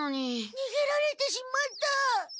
にげられてしまった。